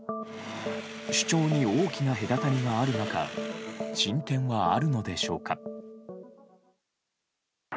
主張に大きな隔たりがある中進展はあるのでしょうか。